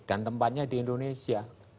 dan tempatnya di indonesia